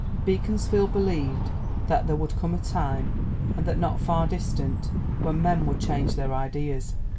Beaconsfield believed that there would come a time, and that not far distant, when men would change their ideas.